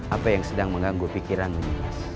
apa yang sedang mengganggu pikiran nimas